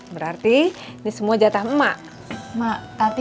berarti ini semua untuk siapkan